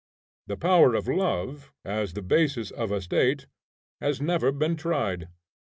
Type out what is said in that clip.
The power of love, as the basis of a State, has never been tried.